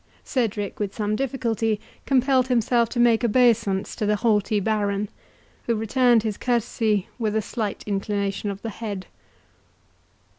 Cedric, with some difficulty, compelled himself to make obeisance to the haughty Baron, who returned his courtesy with a slight inclination of the head.